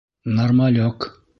Нормалёк!